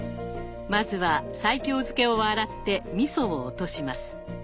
まずは西京漬けを洗ってみそを落とします。